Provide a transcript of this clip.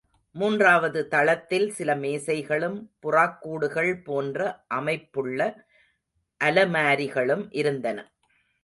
மூன்றாவது தளத்தில், சில மேசைகளும், புறாக் கூடுகள் போன்ற அமைப்புள்ள அலமாரிகளும், இருந்தன.